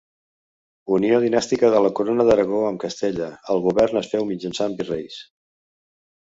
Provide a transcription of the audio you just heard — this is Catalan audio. Unió dinàstica de la Corona d'Aragó amb Castella; el govern es féu mitjançant virreis.